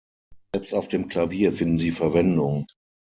Selbst auf dem Klavier finden sie Verwendung.